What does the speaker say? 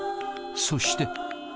そして。